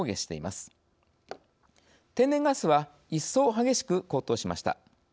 天然ガスはいっそう激しく高騰しました。